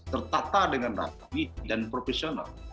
tertata dengan rapi dan profesional